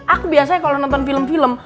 aku biasanya kalau nonton film film